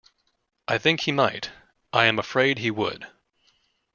I think he might — I am afraid he would.